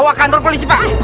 bawa kantor polisi pak